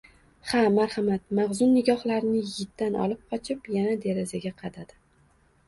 -Ha, marhamat! – Mahzun nigohlarini yigitdan olib qochib yana derazaga qadadi.